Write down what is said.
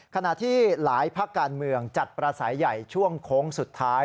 ขณะที่หลายภาคการเมืองจัดประสัยใหญ่ช่วงโค้งสุดท้าย